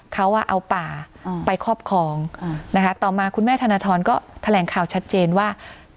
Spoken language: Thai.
เขาเอาป่าไปครอบครองนะคะต่อมาคุณแม่ธนทรก็แถลงข่าวชัดเจนว่า